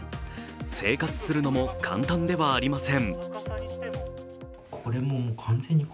生活するのも簡単ではありません。